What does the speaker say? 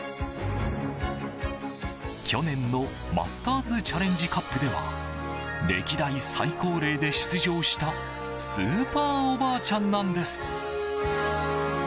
去年のマスターズチャレンジカップでは歴代最高齢で出場したスーパーおばあちゃんなんです。